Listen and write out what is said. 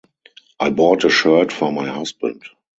I bought a shirt for my husband.